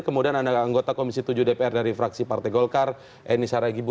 kemudian ada anggota komisi tujuh dpr dari fraksi partai golkar eni saragibo